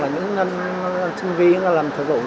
những anh sinh viên làm thử vụ